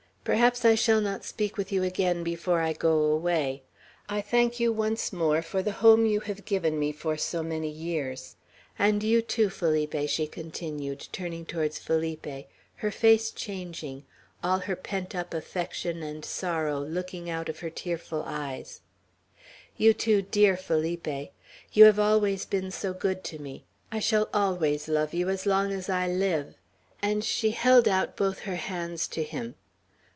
Perhaps I shall not speak with you again before I go away. I thank you once more for the home you have given me for so many years. And you too, Felipe," she continued, turning towards Felipe, her face changing, all her pent up affection and sorrow looking out of her tearful eyes, "you too, dear Felipe. You have always been so good to me. I shall always love you as long as I live;" and she held out both her hands to him.